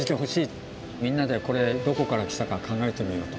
みんなでこれどこから来たか考えてみようと。